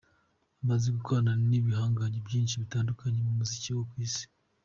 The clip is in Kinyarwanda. Amaze gukorana n’ibihangange byinshi bitandukanye mu muziki wo ku Isi.